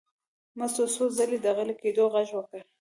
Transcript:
مستو څو ځلې د غلي کېدو غږ وکړ.